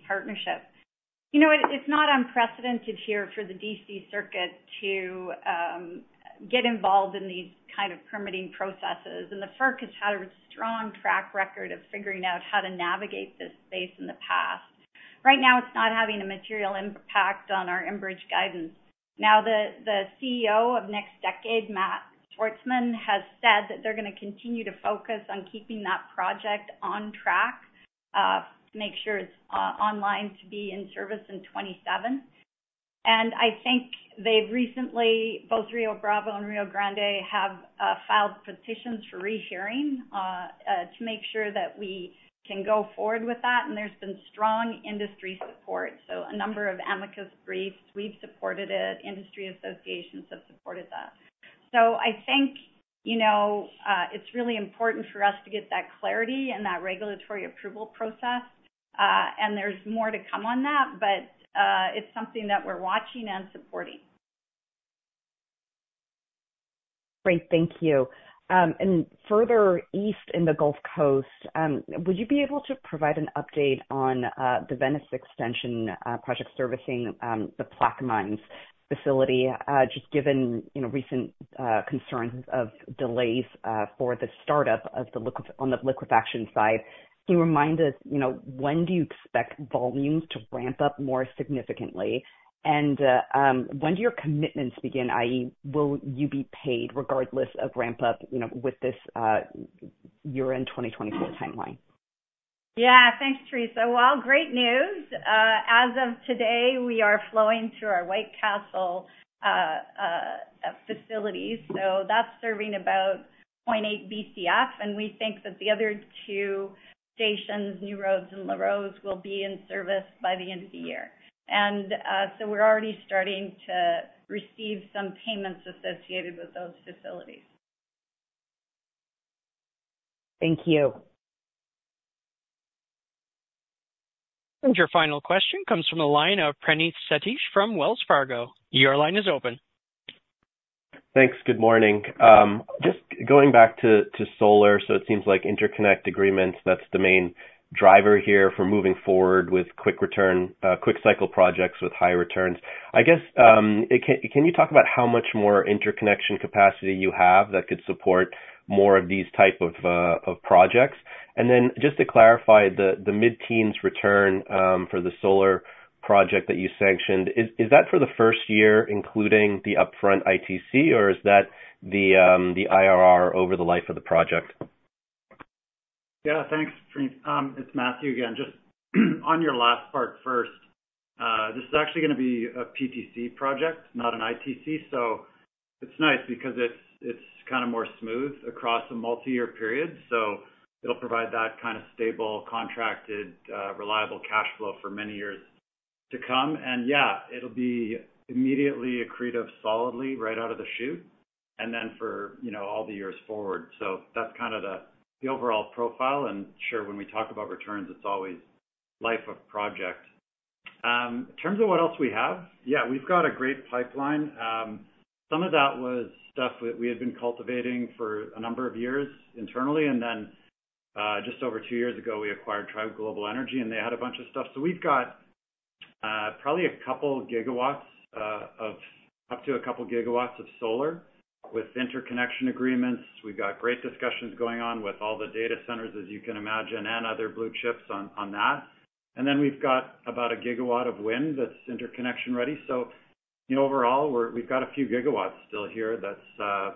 partnership. It's not unprecedented here for the D.C. Circuit to get involved in these kind of permitting processes. And the FERC has had a strong track record of figuring out how to navigate this space in the past. Right now, it's not having a material impact on our Enbridge guidance. Now, the CEO of NextDecade, Matt Schatzman, has said that they're going to continue to focus on keeping that project on track to make sure it's online to be in service in '27. I think they've recently, both Rio Bravo and Rio Grande, filed petitions for rehearing to make sure that we can go forward with that. There's been strong industry support. A number of amicus briefs, we've supported it. Industry associations have supported that. I think it's really important for us to get that clarity in that regulatory approval process. There's more to come on that, but it's something that we're watching and supporting. Great. Thank you. Further east in the Gulf Coast, would you be able to provide an update on the Venice Extension project servicing the Plaquemines facility, just given recent concerns of delays for the startup on the liquefaction side? Can you remind us, when do you expect volumes to ramp up more significantly? When do your commitments begin, i.e., will you be paid regardless of ramp-up with this year-end 2024 timeline? Yeah. Thanks, Theresa. Well, great news. As of today, we are flowing through our White Castle facility. So that's serving about 0.8 BCF. And we think that the other two stations, New Roads and Larose, will be in service by the end of the year. And so we're already starting to receive some payments associated with those facilities. Thank you. And your final question comes from Praneeth Satish from Wells Fargo. Your line is open. Thanks. Good morning. Just going back to solar, so it seems like interconnect agreements, that's the main driver here for moving forward with quick-cycle projects with high returns. I guess, can you talk about how much more interconnection capacity you have that could support more of these types of projects? And then just to clarify, the mid-teens return for the solar project that you sanctioned, is that for the first year, including the upfront ITC, or is that the IRR over the life of the project? Yeah. Thanks, Prim. It's Matthew again. Just on your last part first, this is actually going to be a PTC project, not an ITC. So it's nice because it's kind of more smooth across a multi-year period. So it'll provide that kind of stable, contracted, reliable cash flow for many years to come. And yeah, it'll be immediately accretive solidly right out of the chute and then for all the years forward. So that's kind of the overall profile. And sure, when we talk about returns, it's always life of project. In terms of what else we have, yeah, we've got a great pipeline. Some of that was stuff we had been cultivating for a number of years internally. And then just over two years ago, we acquired Tri Global Energy, and they had a bunch of stuff. So we've got probably a couple gigawatts of up to a couple gigawatts of solar with interconnection agreements. We've got great discussions going on with all the data centers, as you can imagine, and other blue chips on that. And then we've got about a gigawatt of wind that's interconnection ready. So overall, we've got a few gigawatts still here that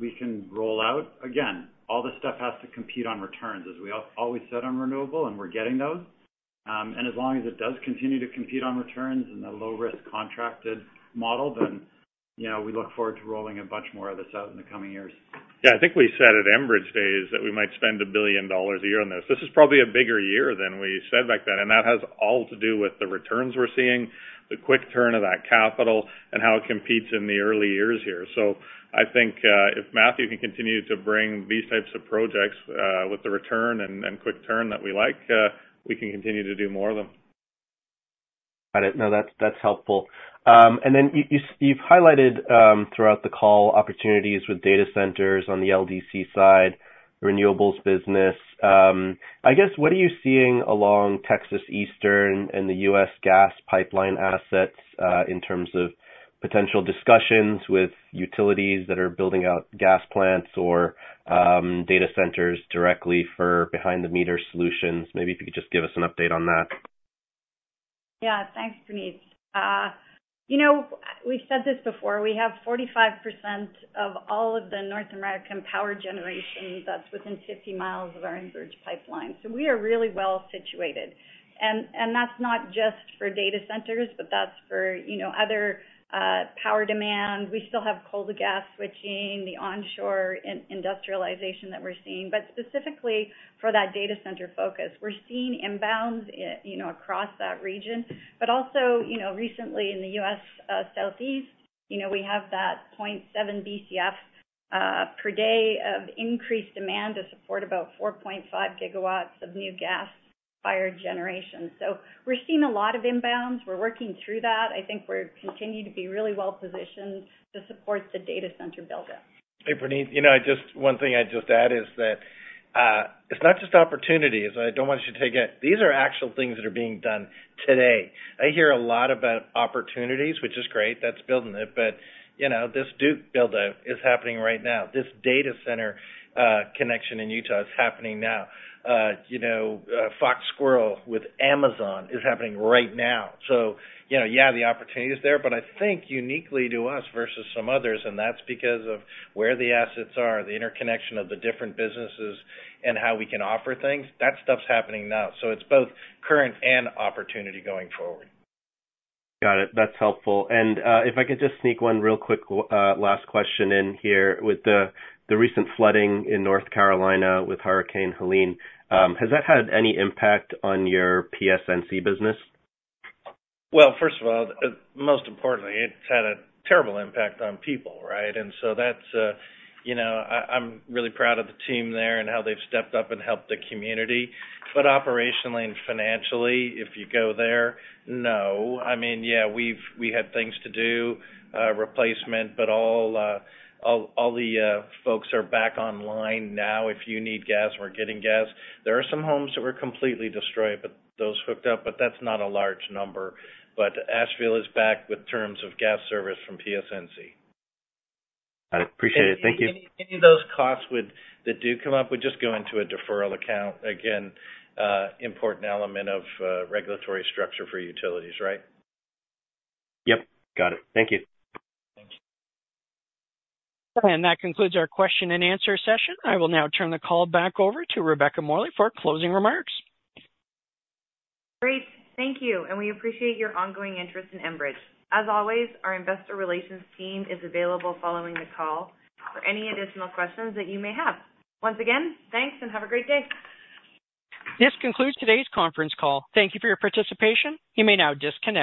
we can roll out. Again, all this stuff has to compete on returns, as we always said on renewable, and we're getting those. And as long as it does continue to compete on returns and the low-risk contracted model, then we look forward to rolling a bunch more of this out in the coming years. Yeah. I think we said at Enbridge Days that we might spend $1 billion a year on this. This is probably a bigger year than we said back then. And that has all to do with the returns we're seeing, the quick turn of that capital, and how it competes in the early years here. So I think if Matthew can continue to bring these types of projects with the return and quick turn that we like, we can continue to do more of them. Got it. No, that's helpful. And then you've highlighted throughout the call opportunities with data centers on the LDC side, renewables business. I guess, what are you seeing along Texas Eastern and the U.S. gas pipeline assets in terms of potential discussions with utilities that are building out gas plants or data centers directly for behind-the-meter solutions? Maybe if you could just give us an update on that. Yeah. Thanks, Praneeth. We've said this before. We have 45% of all of the North American power generation that's within 50 miles of our Enbridge pipeline. So we are really well situated, and that's not just for data centers, but that's for other power demand. We still have coal-to-gas switching, the onshore industrialization that we're seeing, but specifically for that data center focus, we're seeing inbounds across that region, but also recently in the U.S. Southeast, we have that 0.7 BCF per day of increased demand to support about 4.5 gigawatts of new gas-fired generation. So we're seeing a lot of inbounds. We're working through that. I think we're continuing to be really well positioned to support the data center buildup. Hey, Praneeth, one thing I'd just add is that it's not just opportunities. I don't want you to take it. These are actual things that are being done today. I hear a lot about opportunities, which is great. That's building it. But this Duke buildup is happening right now. This data center connection in Utah is happening now. Fox Squirrel with Amazon is happening right now. So yeah, the opportunity is there. But I think uniquely to us versus some others, and that's because of where the assets are, the interconnection of the different businesses, and how we can offer things, that stuff's happening now. So it's both current and opportunity going forward. Got it. That's helpful. And if I could just sneak one real quick last question in here with the recent flooding in North Carolina with Hurricane Helene, has that had any impact on your PSNC business? Well, first of all, most importantly, it's had a terrible impact on people, right? I'm really proud of the team there and how they've stepped up and helped the community. But operationally and financially, if you go there, no. I mean, yeah, we had things to do, replacement, but all the folks are back online now. If you need gas, we're getting gas. There are some homes that were completely destroyed, but those hooked up, but that's not a large number. But Asheville is back in terms of gas service from PSNC. Got it. Appreciate it. Thank you. Any of those costs that do come up would just go into a deferral account. Again, important element of regulatory structure for utilities, right? Yep. Got it. Thank you. Thanks. And that concludes our question and answer session. I will now turn the call back over to Rebecca Morley for closing remarks. Great. Thank you. And we appreciate your ongoing interest in Enbridge. As always, our investor relations team is available following the call for any additional questions that you may have. Once again, thanks and have a great day. This concludes today's conference call. Thank you for your participation. You may now disconnect.